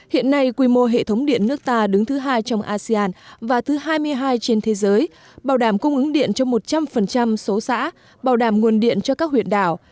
hiện nay quy mô hệ thống điện nước ta đứng thứ hai trong asean và thứ hai mươi hai trên thế giới bảo đảm cung ứng điện cho một trăm linh số xã bảo đảm nguồn điện cho các huyện đảo